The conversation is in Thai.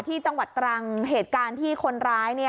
จังหวัดตรังเหตุการณ์ที่คนร้าย